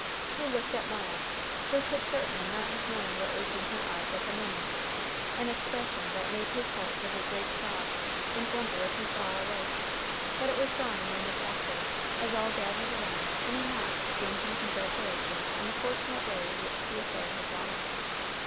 He looked at Mara, who could certainly not have known what was in her eyes at the moment, an expression that made his heart give a great throb, and wonder if he saw aright: but it was gone a moment after, as all gathered around in a knot exchanging congratulations on the fortunate way in which the affair had gone off.